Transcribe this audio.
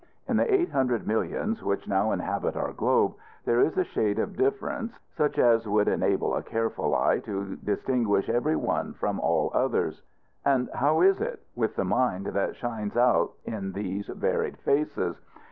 In the eight hundred millions which now inhabit our globe there is a shade of difference, such as would enable a careful eye to distinguish every one from all others. And how is it with the mind that shines out in these varied faces?